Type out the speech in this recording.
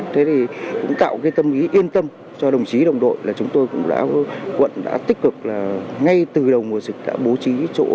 thế thì cũng tạo cái tâm lý yên tâm cho đồng chí đồng đội là chúng tôi cũng đã quận đã tích cực là ngay từ đầu mùa dịch đã bố trí chỗ